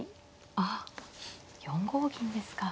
あっ４五銀ですか。